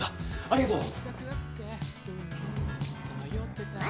ありがとう！